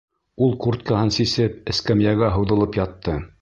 Ул курткаһын сисеп, эскәмйәгә һуҙылып ятты.